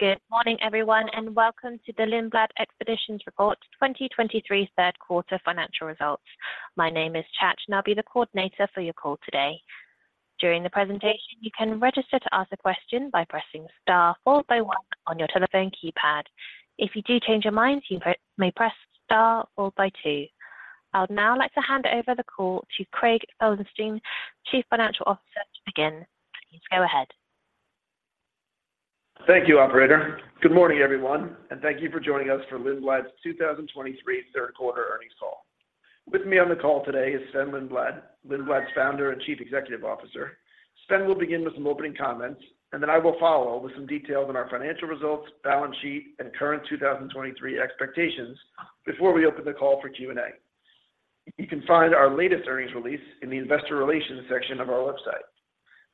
Good morning, everyone, and welcome to the Lindblad Expeditions 2023 third quarter financial results. My name is Chad, and I'll be the coordinator for your call today. During the presentation, you can register to ask a question by pressing star followed by one on your telephone keypad. If you do change your mind, you may press star followed by two. I would now like to hand over the call to Craig Felenstein, Chief Financial Officer, to begin. Please go ahead. Thank you, operator. Good morning, everyone, and thank you for joining us for Lindblad's 2023 third quarter earnings call. With me on the call today is Sven Lindblad, Lindblad's Founder and Chief Executive Officer. Sven will begin with some opening comments, and then I will follow with some details on our financial results, balance sheet, and current 2023 expectations before we open the call for Q&A. You can find our latest earnings release in the Investor Relations section of our website.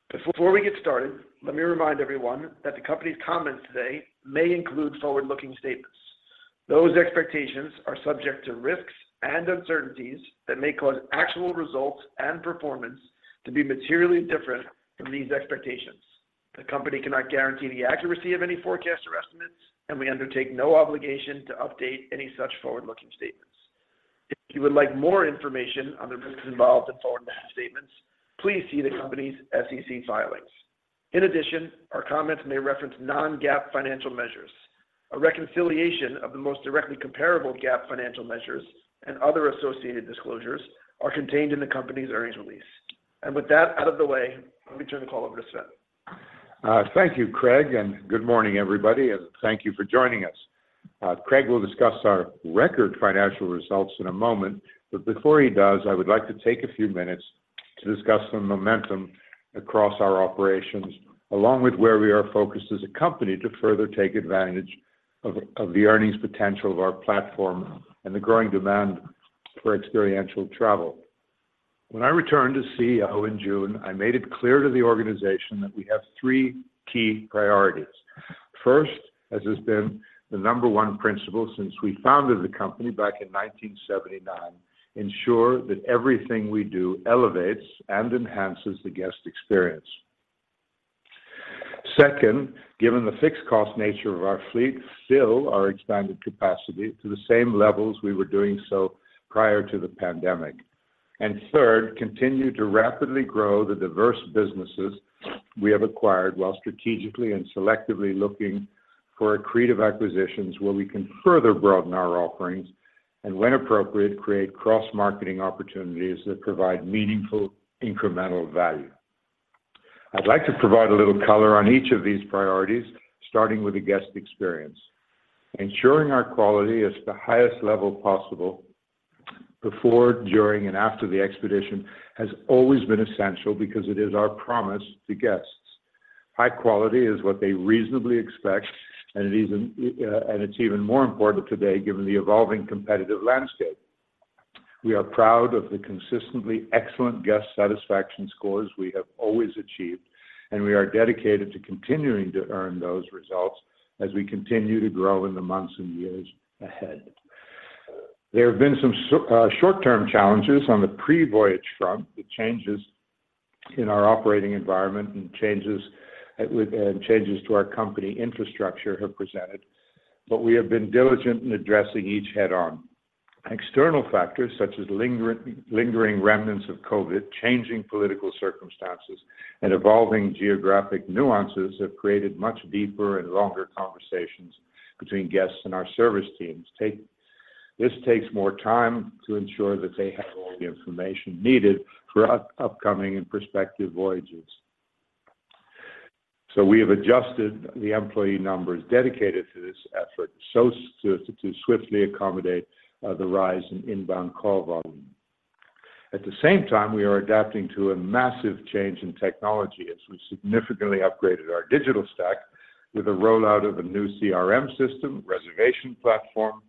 Before we get started, let me remind everyone that the company's comments today may include forward-looking statements. Those expectations are subject to risks and uncertainties that may cause actual results and performance to be materially different from these expectations. The company cannot guarantee the accuracy of any forecasts or estimates, and we undertake no obligation to update any such forward-looking statements. If you would like more information on the risks involved in forward-looking statements, please see the company's SEC filings. In addition, our comments may reference non-GAAP financial measures. A reconciliation of the most directly comparable GAAP financial measures and other associated disclosures are contained in the company's earnings release. With that out of the way, let me turn the call over to Sven. Thank you, Craig, and good morning, everybody, and thank you for joining us. Craig will discuss our record financial results in a moment, but before he does, I would like to take a few minutes to discuss some momentum across our operations, along with where we are focused as a company to further take advantage of, of the earnings potential of our platform and the growing demand for experiential travel. When I returned to CEO in June, I made it clear to the organization that we have three key priorities. First, as has been the number one principle since we founded the company back in 1979, ensure that everything we do elevates and enhances the guest experience. Second, given the fixed cost nature of our fleet, fill our expanded capacity to the same levels we were doing so prior to the pandemic. And third, continue to rapidly grow the diverse businesses we have acquired while strategically and selectively looking for accretive acquisitions where we can further broaden our offerings, and, when appropriate, create cross-marketing opportunities that provide meaningful incremental value. I'd like to provide a little color on each of these priorities, starting with the guest experience. Ensuring our quality is the highest level possible before, during, and after the expedition has always been essential because it is our promise to guests. High quality is what they reasonably expect, and it even, and it's even more important today given the evolving competitive landscape. We are proud of the consistently excellent guest satisfaction scores we have always achieved, and we are dedicated to continuing to earn those results as we continue to grow in the months and years ahead. There have been some short-term challenges on the pre-voyage front. The changes in our operating environment and changes to our company infrastructure have presented, but we have been diligent in addressing each head-on. External factors such as lingering remnants of COVID, changing political circumstances, and evolving geographic nuances have created much deeper and longer conversations between guests and our service teams. This takes more time to ensure that they have all the information needed for upcoming and prospective voyages. So we have adjusted the employee numbers dedicated to this effort to swiftly accommodate the rise in inbound call volume. At the same time, we are adapting to a massive change in technology as we significantly upgraded our digital stack with a rollout of a new CRM system, reservation platform,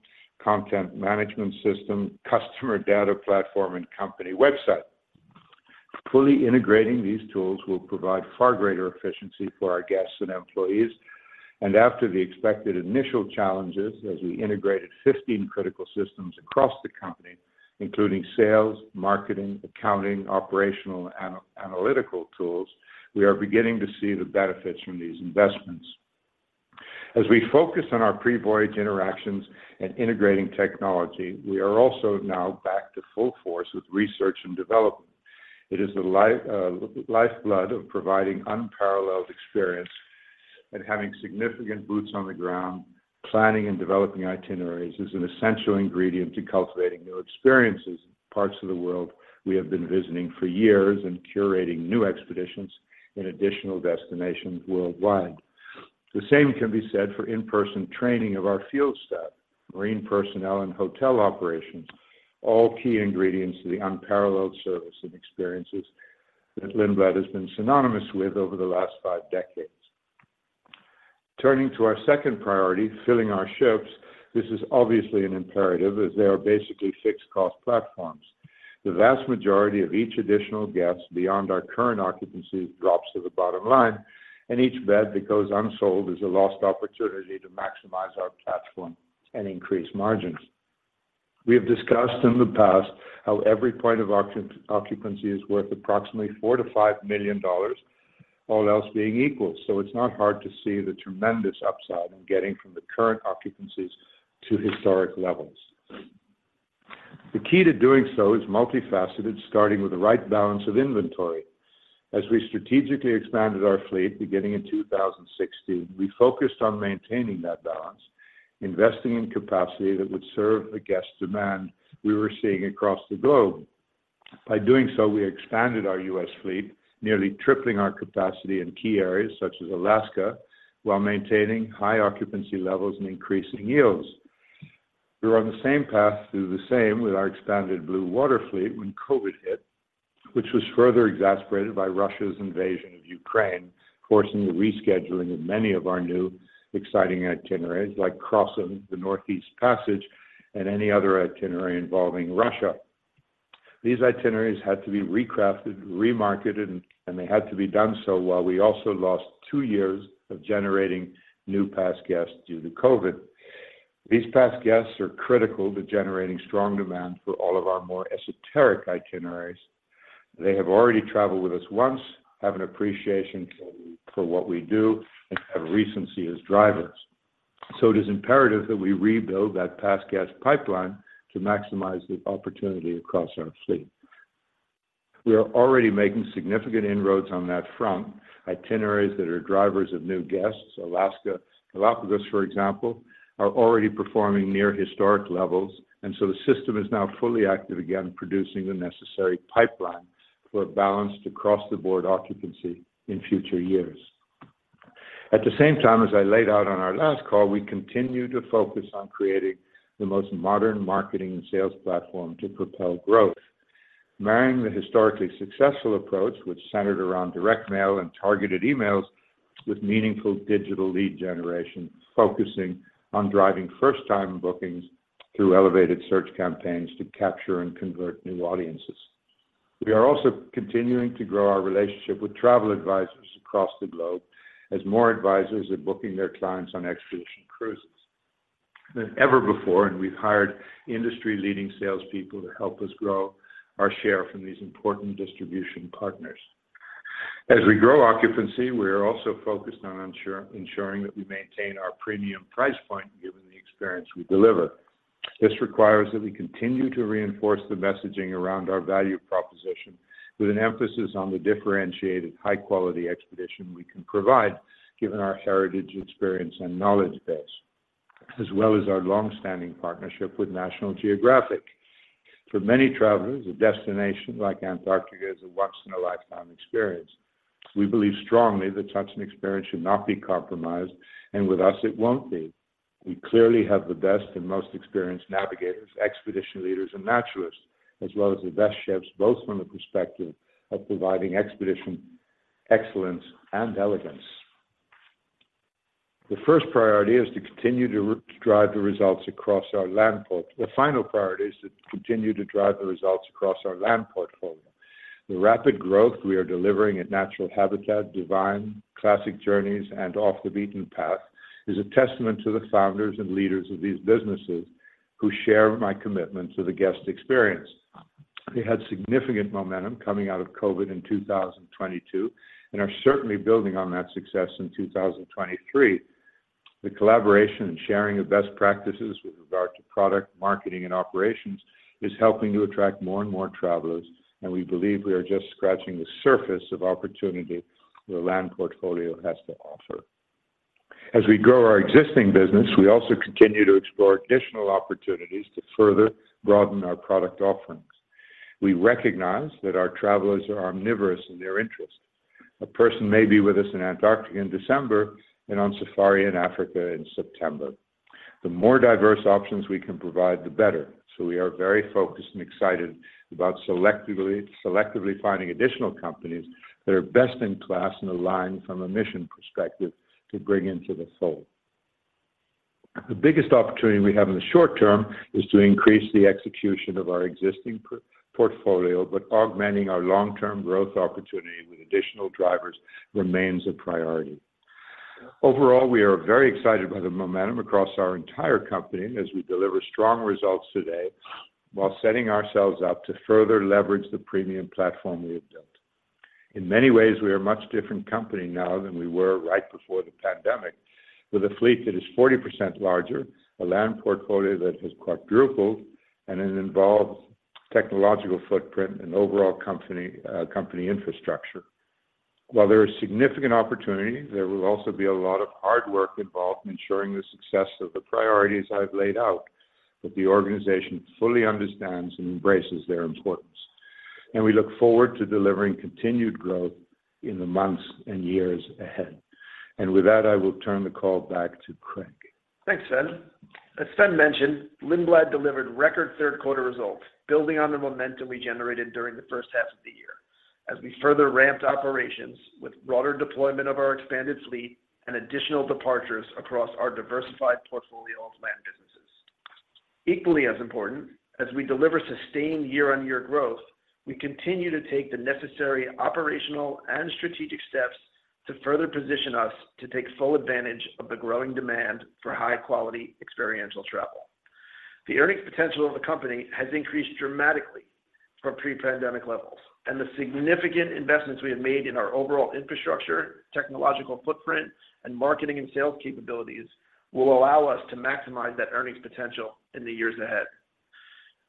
content management system, customer data platform, and company website. Fully integrating these tools will provide far greater efficiency for our guests and employees, and after the expected initial challenges, as we integrated 15 critical systems across the company, including sales, marketing, accounting, operational, and analytical tools, we are beginning to see the benefits from these investments. As we focus on our pre-voyage interactions and integrating technology, we are also now back to full force with research and development. It is the lifeblood of providing unparalleled experience and having significant boots on the ground. Planning and developing itineraries is an essential ingredient to cultivating new experiences in parts of the world we have been visiting for years and curating new expeditions in additional destinations worldwide. The same can be said for in-person training of our field staff, marine personnel, and hotel operations, all key ingredients to the unparalleled service and experiences that Lindblad has been synonymous with over the last five decades. Turning to our second priority, filling our ships, this is obviously an imperative as they are basically fixed cost platforms. The vast majority of each additional guest beyond our current occupancy drops to the bottom line, and each bed that goes unsold is a lost opportunity to maximize our platform and increase margins… We have discussed in the past how every point of occupancy is worth approximately $4 million-$5 million, all else being equal. So it's not hard to see the tremendous upside in getting from the current occupancies to historic levels. The key to doing so is multifaceted, starting with the right balance of inventory. As we strategically expanded our fleet beginning in 2016, we focused on maintaining that balance, investing in capacity that would serve the guest demand we were seeing across the globe. By doing so, we expanded our U.S. fleet, nearly tripling our capacity in key areas such as Alaska, while maintaining high occupancy levels and increasing yields. We were on the same path to do the same with our expanded blue water fleet when COVID hit, which was further exasperated by Russia's invasion of Ukraine, forcing the rescheduling of many of our new exciting itineraries, like crossing the Northeast Passage and any other itinerary involving Russia. These itineraries had to be recrafted, remarketed, and they had to be done so while we also lost 2 years of generating new past guests due to COVID. These past guests are critical to generating strong demand for all of our more esoteric itineraries. They have already traveled with us once, have an appreciation for what we do, and have recency as drivers. So it is imperative that we rebuild that past guest pipeline to maximize the opportunity across our fleet. We are already making significant inroads on that front. Itineraries that are drivers of new guests, Alaska, Galápagos, for example, are already performing near historic levels, and so the system is now fully active again, producing the necessary pipeline for a balanced across-the-board occupancy in future years. At the same time, as I laid out on our last call, we continue to focus on creating the most modern marketing and sales platform to propel growth. Marrying the historically successful approach, which centered around direct mail and targeted emails, with meaningful digital lead generation, focusing on driving first-time bookings through elevated search campaigns to capture and convert new audiences. We are also continuing to grow our relationship with travel advisors across the globe, as more advisors are booking their clients on expedition cruises than ever before, and we've hired industry-leading salespeople to help us grow our share from these important distribution partners. As we grow occupancy, we are also focused on ensuring that we maintain our premium price point, given the experience we deliver. This requires that we continue to reinforce the messaging around our value proposition, with an emphasis on the differentiated, high-quality expedition we can provide, given our heritage, experience, and knowledge base, as well as our long-standing partnership with National Geographic. For many travelers, a destination like Antarctica is a once-in-a-lifetime experience. We believe strongly that such an experience should not be compromised, and with us, it won't be. We clearly have the best and most experienced navigators, expedition leaders, and naturalists, as well as the best chefs, both from the perspective of providing expedition, excellence, and elegance. The first priority is to continue to drive the results across our land port... The final priority is to continue to drive the results across our land portfolio. The rapid growth we are delivering at Natural Habitat, DuVine, Classic Journeys, and Off the Beaten Path, is a testament to the founders and leaders of these businesses who share my commitment to the guest experience. They had significant momentum coming out of COVID in 2022, and are certainly building on that success in 2023. The collaboration and sharing of best practices with regard to product, marketing, and operations is helping to attract more and more travelers, and we believe we are just scratching the surface of opportunity the land portfolio has to offer. As we grow our existing business, we also continue to explore additional opportunities to further broaden our product offerings. We recognize that our travelers are omnivorous in their interest. A person may be with us in Antarctica in December and on safari in Africa in September. The more diverse options we can provide, the better. So we are very focused and excited about selectively finding additional companies that are best-in-class and aligned from a mission perspective to bring into the fold. The biggest opportunity we have in the short term is to increase the execution of our existing portfolio, but augmenting our long-term growth opportunity with additional drivers remains a priority. Overall, we are very excited by the momentum across our entire company as we deliver strong results today, while setting ourselves up to further leverage the premium platform we have built. In many ways, we are a much different company now than we were right before the pandemic, with a fleet that is 40% larger, a land portfolio that has quadrupled, and an involved technological footprint and overall company infrastructure. While there is significant opportunity, there will also be a lot of hard work involved in ensuring the success of the priorities I've laid out, that the organization fully understands and embraces their importance. We look forward to delivering continued growth in the months and years ahead. With that, I will turn the call back to Craig. Thanks, Sven. As Sven mentioned, Lindblad delivered record third-quarter results, building on the momentum we generated during the first half of the year, as we further ramped operations with broader deployment of our expanded fleet and additional departures across our diversified portfolio of land businesses. Equally as important, as we deliver sustained year-on-year growth, we continue to take the necessary operational and strategic steps to further position us to take full advantage of the growing demand for high-quality, experiential travel. The earnings potential of the company has increased dramatically from pre-pandemic levels, and the significant investments we have made in our overall infrastructure, technological footprint, and marketing and sales capabilities will allow us to maximize that earnings potential in the years ahead.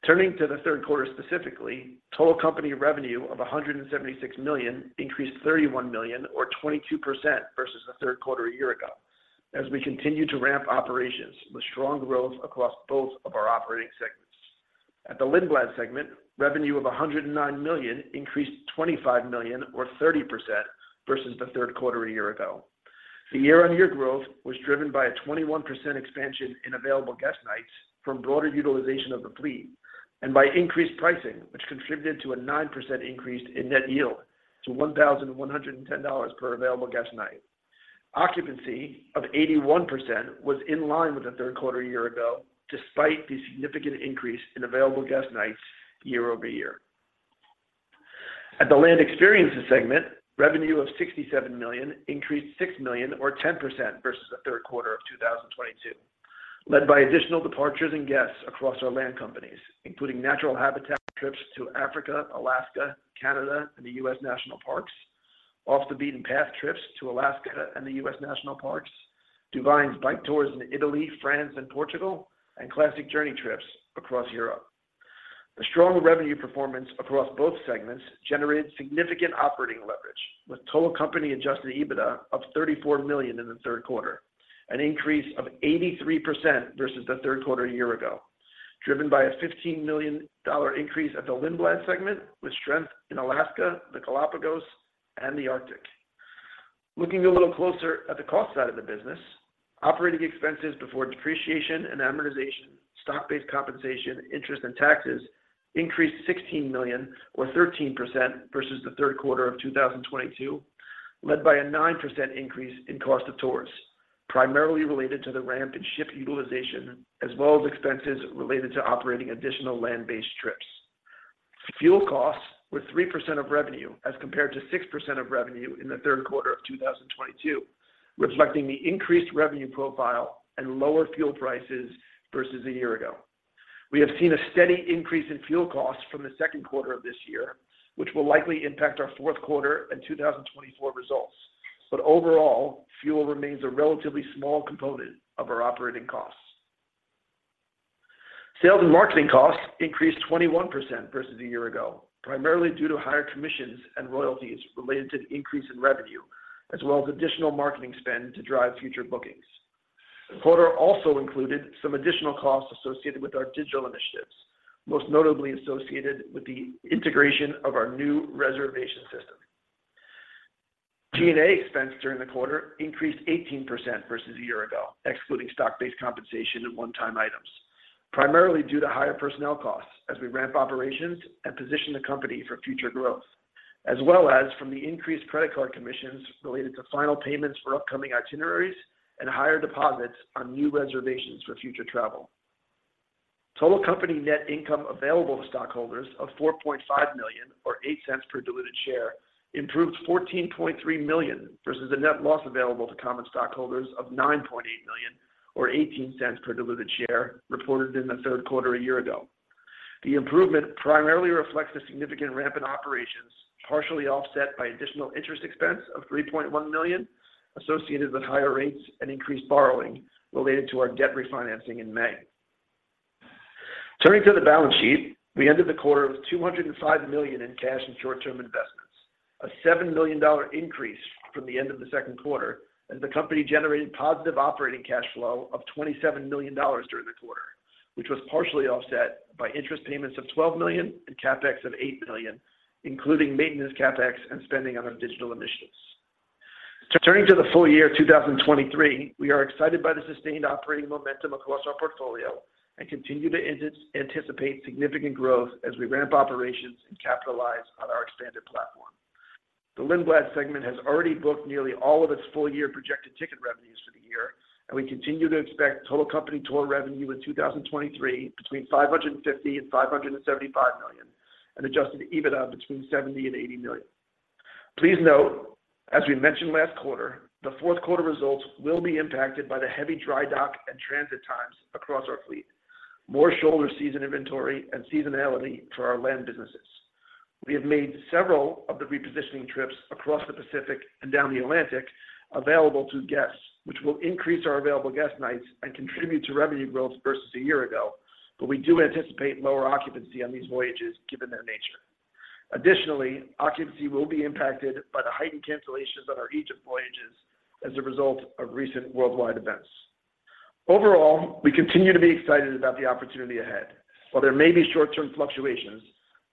Turning to the third quarter specifically, total company revenue of $176 million increased $31 million or 22% versus the third quarter a year ago, as we continue to ramp operations with strong growth across both of our operating segments. At the Lindblad segment, revenue of $109 million increased $25 million or 30% versus the third quarter a year ago. The year-over-year growth was driven by a 21% expansion in available guest nights from broader utilization of the fleet and by increased pricing, which contributed to a 9% increase in net yield to $1,110 per available guest night. Occupancy of 81% was in line with the third quarter a year ago, despite the significant increase in available guest nights year-over-year. At the land experiences segment, revenue of $67 million increased $6 million or 10% versus the third quarter of 2022, led by additional departures and guests across our land companies, including Natural Habitat trips to Africa, Alaska, Canada, and the U.S. National Parks, Off the Beaten Path trips to Alaska and the U.S. National Parks, DuVine Bike Tours in Italy, France, and Portugal, and Classic Journeys trips across Europe. The strong revenue performance across both segments generated significant operating leverage, with total company adjusted EBITDA up $34 million in the third quarter, an increase of 83% versus the third quarter a year ago, driven by a $15 million increase at the Lindblad segment, with strength in Alaska, the Galápagos, and the Arctic. Looking a little closer at the cost side of the business, operating expenses before depreciation and amortization, stock-based compensation, interest, and taxes increased $16 million or 13% versus the third quarter of 2022, led by a 9% increase in cost of tours, primarily related to the ramp in ship utilization, as well as expenses related to operating additional land-based trips. Fuel costs were 3% of revenue as compared to 6% of revenue in the third quarter of 2022, reflecting the increased revenue profile and lower fuel prices versus a year ago. We have seen a steady increase in fuel costs from the second quarter of this year, which will likely impact our fourth quarter and 2024 results. But overall, fuel remains a relatively small component of our operating costs. Sales and marketing costs increased 21% versus a year ago, primarily due to higher commissions and royalties related to the increase in revenue, as well as additional marketing spend to drive future bookings. The quarter also included some additional costs associated with our digital initiatives, most notably associated with the integration of our new reservation system. G&A expense during the quarter increased 18% versus a year ago, excluding stock-based compensation and one-time items, primarily due to higher personnel costs as we ramp operations and position the company for future growth, as well as from the increased credit card commissions related to final payments for upcoming itineraries and higher deposits on new reservations for future travel. Total company net income available to stockholders of $4.5 million or $0.08 per diluted share, improved $14.3 million versus a net loss available to common stockholders of $9.8 million or $0.18 per diluted share reported in the third quarter a year ago. The improvement primarily reflects the significant ramp in operations, partially offset by additional interest expense of $3.1 million associated with higher rates and increased borrowing related to our debt refinancing in May. Turning to the balance sheet, we ended the quarter with $205 million in cash and short-term investments, a $7 million increase from the end of the second quarter, as the company generated positive operating cash flow of $27 million during the quarter, which was partially offset by interest payments of $12 million and CapEx of $8 million, including maintenance CapEx and spending on our digital initiatives. Turning to the full year 2023, we are excited by the sustained operating momentum across our portfolio and continue to anticipate significant growth as we ramp operations and capitalize on our expanded platform. The Lindblad segment has already booked nearly all of its full-year projected ticket revenues for the year, and we continue to expect total company tour revenue in 2023 between $550 million-$575 million, and adjusted EBITDA between $70 million-$80 million. Please note, as we mentioned last quarter, the fourth quarter results will be impacted by the heavy dry dock and transit times across our fleet, more shoulder season inventory and seasonality for our land businesses. We have made several of the repositioning trips across the Pacific and down the Atlantic available to guests, which will increase our available guest nights and contribute to revenue growth versus a year ago, but we do anticipate lower occupancy on these voyages, given their nature. Additionally, occupancy will be impacted by the heightened cancellations on our Egypt voyages as a result of recent worldwide events. Overall, we continue to be excited about the opportunity ahead. While there may be short-term fluctuations,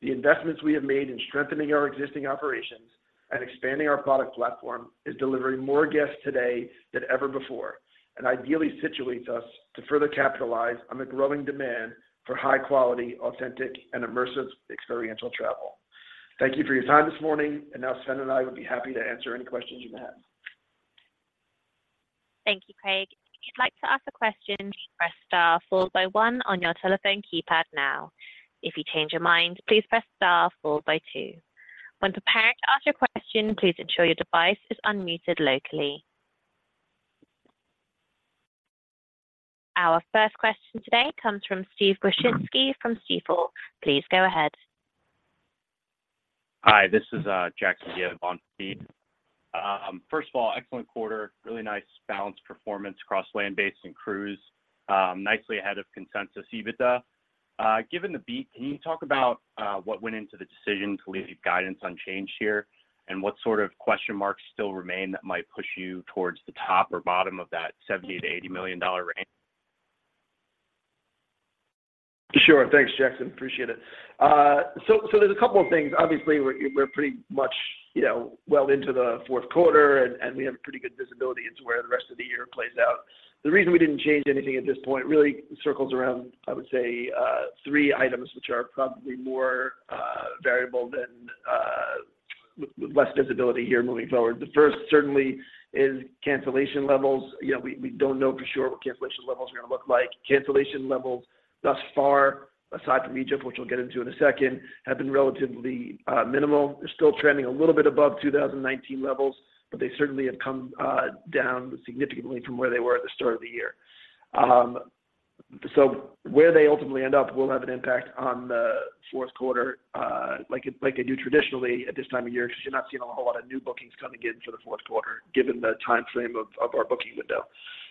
the investments we have made in strengthening our existing operations and expanding our product platform is delivering more guests today than ever before and ideally situates us to further capitalize on the growing demand for high-quality, authentic, and immersive experiential travel. Thank you for your time this morning, and now Sven and I would be happy to answer any questions you have.... Thank you, Craig. If you'd like to ask a question, press star followed by one on your telephone keypad now. If you change your mind, please press star followed by two. When preparing to ask your question, please ensure your device is unmuted locally. Our first question today comes from Steve Wieczynski from Stifel. Please go ahead. Hi, this is Jackson Gibb on forSteve. First of all, excellent quarter. Really nice balanced performance across land-based and cruise, nicely ahead of consensus EBITDA. Given the beat, can you talk about what went into the decision to leave guidance unchanged here? And what sort of question marks still remain that might push you towards the top or bottom of that $70 million-$80 million range? Sure. Thanks, Jackson. Appreciate it. So, so there's a couple of things. Obviously, we're pretty much, you know, well into the fourth quarter, and we have pretty good visibility into where the rest of the year plays out. The reason we didn't change anything at this point really circles around, I would say, three items, which are probably more variable than with less visibility here moving forward. The first certainly is cancellation levels. You know, we don't know for sure what cancellation levels are gonna look like. Cancellation levels thus far, aside from Egypt, which we'll get into in a second, have been relatively minimal. They're still trending a little bit above 2019 levels, but they certainly have come down significantly from where they were at the start of the year. So where they ultimately end up will have an impact on the fourth quarter, like it, like they do traditionally at this time of year, because you're not seeing a whole lot of new bookings coming in for the fourth quarter, given the timeframe of our booking window.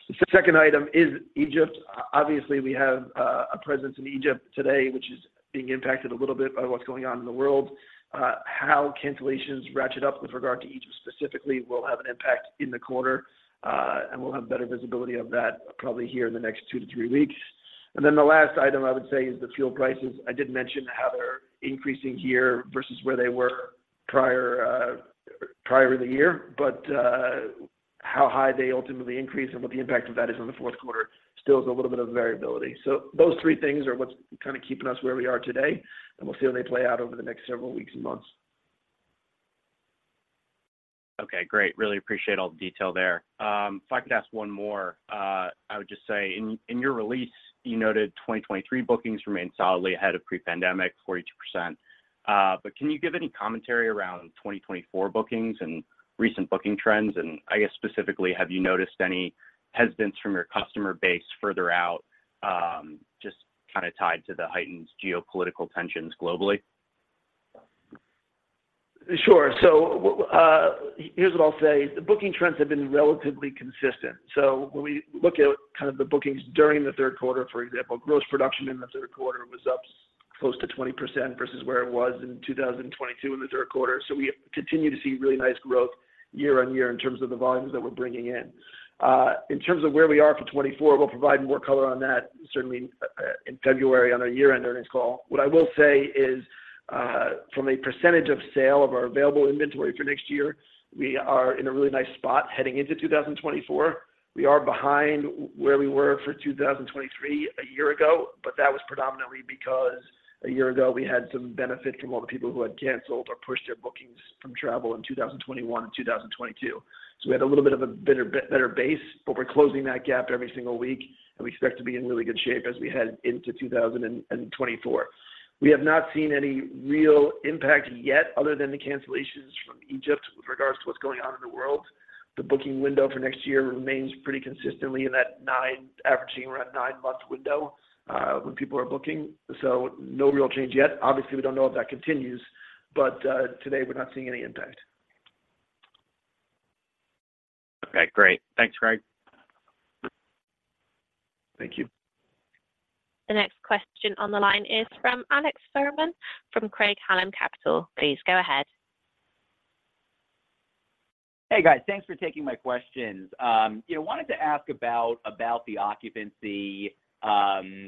The second item is Egypt. Obviously, we have a presence in Egypt today, which is being impacted a little bit by what's going on in the world. How cancellations ratchet up with regard to Egypt specifically, will have an impact in the quarter, and we'll have better visibility of that probably here in the next two to three weeks. And then the last item I would say is the fuel prices. I did mention how they're increasing here versus where they were prior to the year, but how high they ultimately increase and what the impact of that is on the fourth quarter still is a little bit of variability. So those three things are what's kind of keeping us where we are today, and we'll see how they play out over the next several weeks and months. Okay, great. Really appreciate all the detail there. If I could ask one more, I would just say, in, in your release, you noted 2023 bookings remained solidly ahead of pre-pandemic, 42%. But can you give any commentary around 2024 bookings and recent booking trends? And I guess specifically, have you noticed any hesitance from your customer base further out, just kind of tied to the heightened geopolitical tensions globally? Sure. So, here's what I'll say: the booking trends have been relatively consistent. So when we look at kind of the bookings during the third quarter, for example, gross production in the third quarter was up close to 20% versus where it was in 2022 in the third quarter. So we continue to see really nice growth year-on-year in terms of the volumes that we're bringing in. In terms of where we are for 2024, we'll provide more color on that, certainly, in February on our year-end earnings call. What I will say is, from a percentage of sale of our available inventory for next year, we are in a really nice spot heading into 2024. We are behind where we were for 2023, a year ago, but that was predominantly because a year ago, we had some benefit from all the people who had canceled or pushed their bookings from travel in 2021 and 2022. So we had a little bit of a better base, but we're closing that gap every single week, and we expect to be in really good shape as we head into 2024. We have not seen any real impact yet, other than the cancellations from Egypt with regards to what's going on in the world. The booking window for next year remains pretty consistently in that averaging around 9-month window when people are booking, so no real change yet. Obviously, we don't know if that continues, but today, we're not seeing any impact. Okay, great. Thanks, Craig. Thank you. The next question on the line is from Alex Fuhrman from Craig-Hallum Capital. Please go ahead. Hey, guys, thanks for taking my questions. You know, wanted to ask about the occupancy.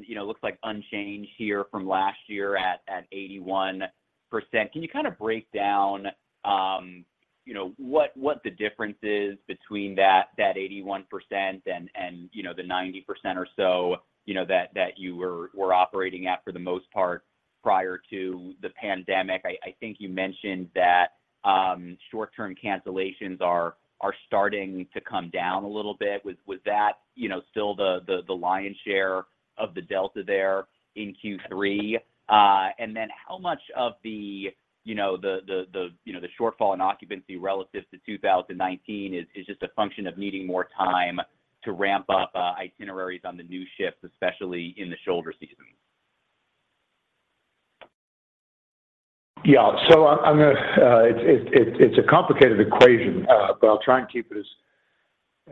You know, looks like unchanged here from last year at 81%. Can you kind of break down, you know, what the difference is between that 81% and, you know, the 90% or so, you know, that you were operating at for the most part prior to the pandemic? I think you mentioned that short-term cancellations are starting to come down a little bit. Was that, you know, still the lion's share of the delta there in Q3? And then how much of the, you know, the shortfall in occupancy relative to 2019 is just a function of needing more time to ramp up itineraries on the new ships, especially in the shoulder season? Yeah. So I'm gonna... It's a complicated equation, but I'll try and keep it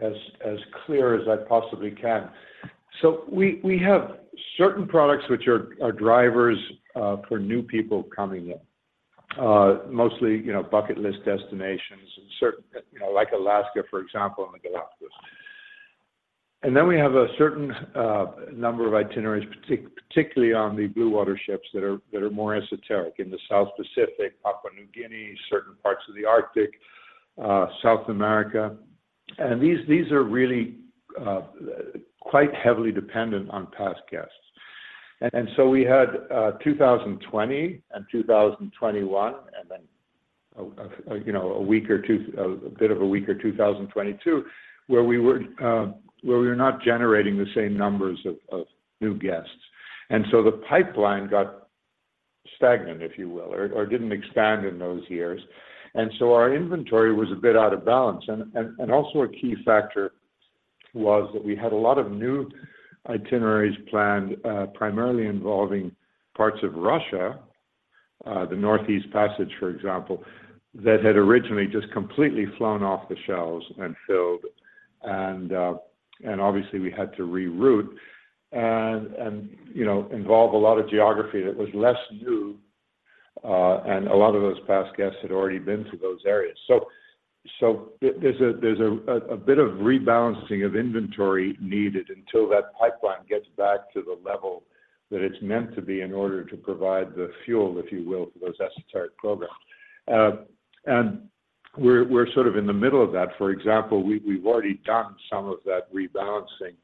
as clear as I possibly can. So we have certain products which are drivers for new people coming in, mostly, you know, bucket list destinations and certain, you know, like Alaska, for example, and the Galápagos. And then we have a certain number of itineraries, particularly on the blue-water ships, that are more esoteric in the South Pacific, Papua New Guinea, certain parts of the Arctic, South America. And these are really quite heavily dependent on past guests. And so we had 2020, and 2021, and then-... you know, a week or two 2022, where we were not generating the same numbers of new guests. And so the pipeline got stagnant, if you will, or didn't expand in those years. And so our inventory was a bit out of balance. And also a key factor was that we had a lot of new itineraries planned, primarily involving parts of Russia, the Northeast Passage, for example, that had originally just completely flown off the shelves and filled. And obviously, we had to reroute and, you know, involve a lot of geography that was less new, and a lot of those past guests had already been to those areas. So there, there's a bit of rebalancing of inventory needed until that pipeline gets back to the level that it's meant to be in order to provide the fuel, if you will, for those esoteric programs. And we're sort of in the middle of that. For example, we've already done some of that rebalancing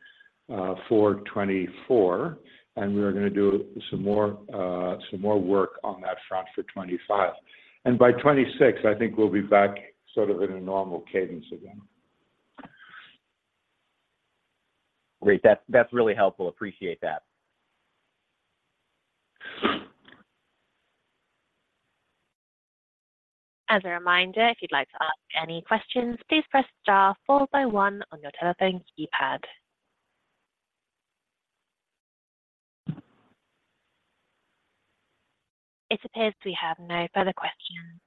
for 2024, and we are gonna do some more work on that front for 2025. And by 2026, I think we'll be back sort of in a normal cadence again. Great. That's, that's really helpful. Appreciate that. As a reminder, if you'd like to ask any questions, please press star followed by one on your telephone keypad. It appears we have no further questions.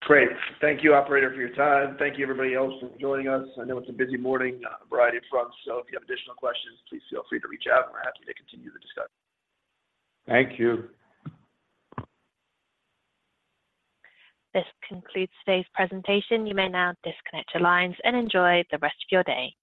Great. Thank you, operator, for your time. Thank you everybody else for joining us. I know it's a busy morning on a variety of fronts, so if you have additional questions, please feel free to reach out, and we're happy to continue the discussion. Thank you. This concludes today's presentation. You may now disconnect your lines and enjoy the rest of your day.